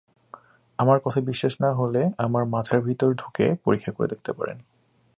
আমার কথা বিশ্বাস না হলে আমার মাথার ভেতর ঢুকে পরীক্ষা করে দেখতে পারেন।